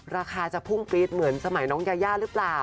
ราคาจะพุ่งปี๊ดเหมือนสมัยน้องยายาหรือเปล่า